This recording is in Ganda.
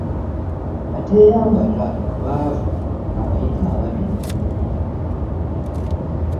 Kateyamba nga baaavu abayita ababiri